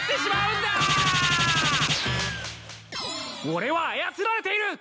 俺は操られている！